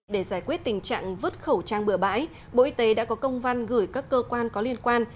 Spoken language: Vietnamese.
để giải quyết tình trạng vứt khẩu trang bừa bãi bộ y tế đã có công văn gửi các cơ quan có liên quan